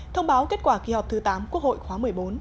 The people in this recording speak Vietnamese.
thông báo kết quả kỳ họp thứ tám quốc hội khóa một mươi bốn